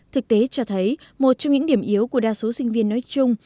thực tế cho thấy một trong những điểm yếu của đa số sinh viên nói chung